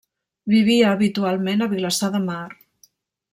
Vivia habitualment a Vilassar de Mar.